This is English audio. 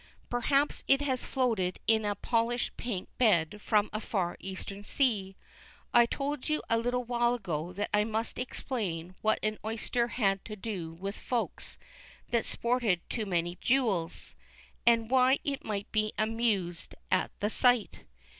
Perhaps it has floated in its polished pink bed from a far eastern sea. I told you a little while ago that I must explain what an oyster had to do with Folks that sported too many jewels, and why it might be amused at the sight.